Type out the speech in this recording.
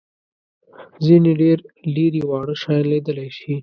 ځینې ډېر لېري واړه شیان لیدلای شي.